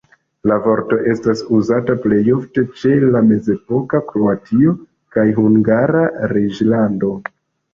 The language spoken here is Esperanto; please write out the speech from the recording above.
La vorto estas uzata plej ofte ĉe la mezepoka Kroatio kaj Hungara Reĝlando.